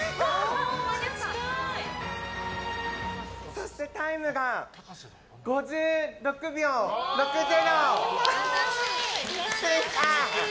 そしてタイムが５６秒６０！